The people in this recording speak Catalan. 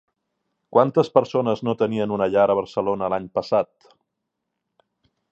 Quantes persones no tenien una llar a Barcelona l'any passat?